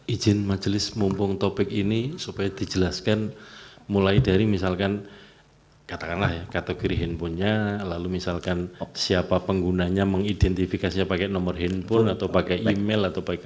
izin majelis mumpung topik ini supaya dijelaskan mulai dari misalkan katakanlah ya kategori handphonenya lalu misalkan siapa penggunanya mengidentifikasinya pakai nomor handphone atau pakai email atau pakai